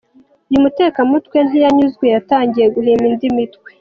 Uyu mutekamutwe ntiyanyuzwe yatangiye guhimba indi mitwe.